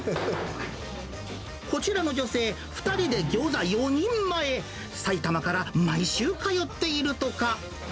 こちらの女性、２人でギョーザ４人前、埼玉から毎週通っているとか。